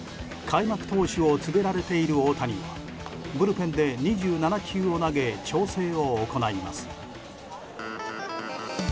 開幕投手を告げられている大谷はブルペンで２７球を投げ調整を行います。